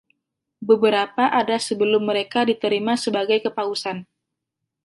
Beberapa ada sebelum mereka diterima sebagai Kepausan.